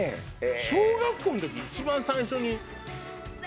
小学校の時一番最初に。